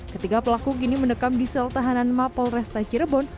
ketiga pelaku kini mendekam di sel tahanan mapol resta cirebon